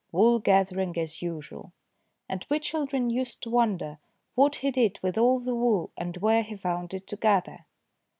wool gathering as usual "; and we children used to wonder what he did with all the wool and where he found it to gather.